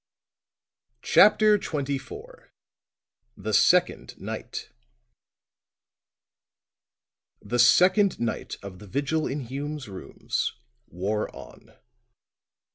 CHAPTER XXIV THE SECOND NIGHT The second night of the vigil in Hume's rooms wore on.